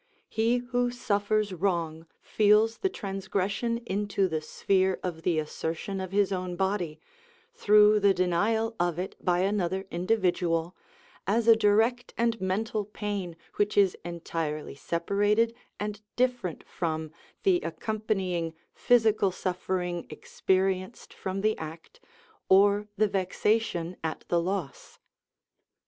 He who suffers wrong feels the transgression into the sphere of the assertion of his own body, through the denial of it by another individual, as a direct and mental pain which is entirely separated and different from the accompanying physical suffering experienced from the act or the vexation at the loss.